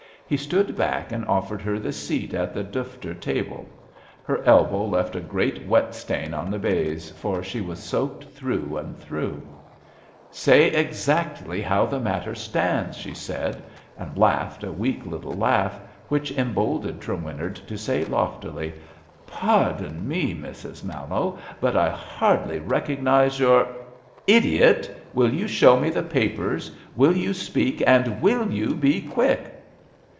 He stood back and offered her the seat at the duftar table. Her elbow left a great wet stain on the baize, for she was soaked through and through. 160 ABAFT THE FUNNEL Say exactly how the matter stands/' she said, and laughed a weak little laugh, which emboldened Trewinnard to say loftily: ^* Pardon me, Mrs. Mal lowe, but I hardly recognise your ''Idiot! Will you show me the papers, will you speak, and will you be quick?